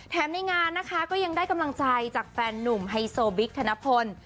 ในงานนะคะก็ยังได้กำลังใจจากแฟนนุ่มไฮโซบิ๊กธนพล